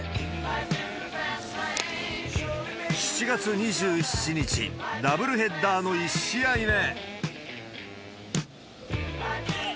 ７月２７日、ダブルヘッダーの１試合目。